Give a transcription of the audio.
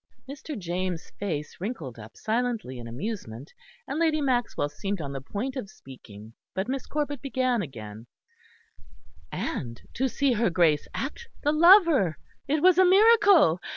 Mr. James' face wrinkled up silently in amusement; and Lady Maxwell seemed on the point of speaking; but Miss Corbet began again: "And to see her Grace act the lover. It was a miracle.